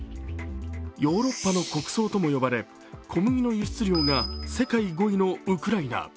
ヨーロッパの穀倉とも呼ばれ、小麦の輸出量が世界５位のウクライナ。